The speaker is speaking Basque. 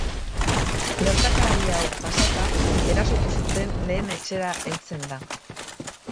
Gertakari hau pasata, erasotu zuten lehen etxera heltzen da.